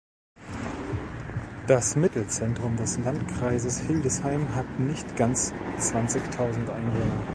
Das Mittelzentrum des Landkreises Hildesheim hat nicht ganz zwanzigtausend Einwohner.